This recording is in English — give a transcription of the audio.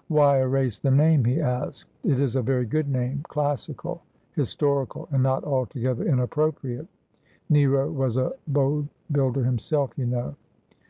' Why erase the name ?' he asked. ' It is a very good name — classical, historical, and not altogether inappropriate. Nero was a boat builder himself, you know.'